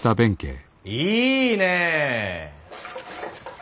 いいねえ。